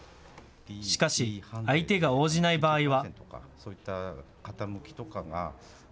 しかし、相手が応じない場合は。